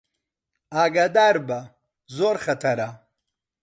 ئاگادار بە، زۆر خەتەرە